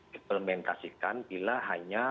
implementasikan bila hanya